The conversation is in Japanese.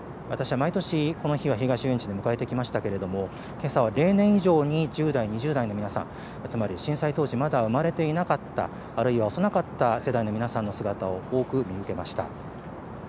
私は毎年、この日を東遊園地で迎えてきましたけれども、けさは例年以上に、１０代、２０代の皆さん、つまり震災当時、まだ生まれていなかった、あるいは幼かった世代の皆さんの姿を多く見受けました。